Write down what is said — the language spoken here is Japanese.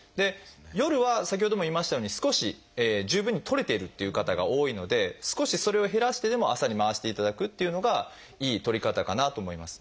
夜は先ほども言いましたように少し十分にとれているっていう方が多いので少しそれを減らしてでも朝に回していただくっていうのがいいとり方かなと思います。